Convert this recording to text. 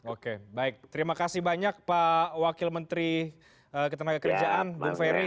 oke baik terima kasih banyak pak wakil menteri ketenaga kerjaan bung ferry